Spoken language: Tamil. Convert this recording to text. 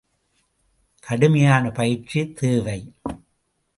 கடுமையான பயிற்சி தேவை.